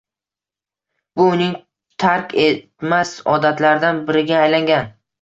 Bu uning tark etmas odatlaridan biriga aylangan